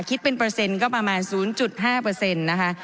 คิดเป็นเปอร์เซ็นต์ก็ประมาณ๐๕เปอร์เซ็นต์นะคะ